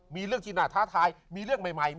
มีเรื่องจิน่าท้าทายมีเรื่องใหม่